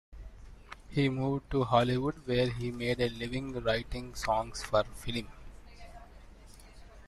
He moved to Hollywood where he made a living writing songs for film.